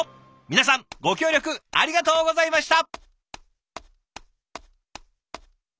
皆さんご協力ありがとうございました！